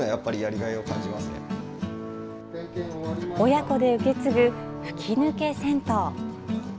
親子で受け継ぐ吹き抜け銭湯。